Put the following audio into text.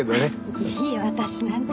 いえいえ私なんて。